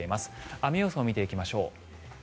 雨予想を見ていきましょう。